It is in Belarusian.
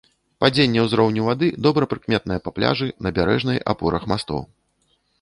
Падзенне ўзроўню вады добра прыкметнае па пляжы, набярэжнай, апорах мастоў.